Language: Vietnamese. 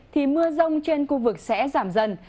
thì mưa rông trên khu vực sẽ giảm dần